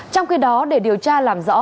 trong khi đó để điều tra làm rõ